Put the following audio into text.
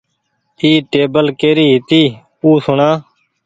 اي ٽيبل ڪري هيتي او سوڻا۔